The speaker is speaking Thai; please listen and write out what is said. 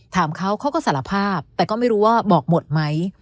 ถามเขาเขาก็สารภาพแต่ก็ไม่รู้ว่าบอกหมดไหม